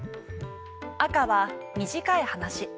赤は短い話。